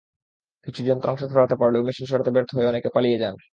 কিছু যন্ত্রাংশ সরাতে পারলেও মেশিন সরাতে ব্যর্থ হয়ে অনেকে পালিয়ে যান।